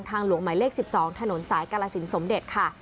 ทางหลวงใหม่เลขสิบสองถนนสายกาลสินสมเด็จค่ะ